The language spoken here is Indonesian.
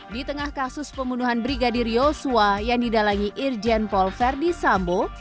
di tengah kasus pembunuhan brigadir yosua yang didalangi irjen paul verdi sambo